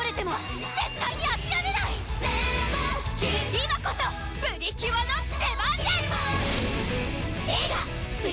今こそプリキュアの出番です！